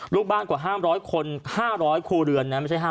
ลูกบ้านกว่าห้ามร้อยคนห้าร้อยครูเรือนนะ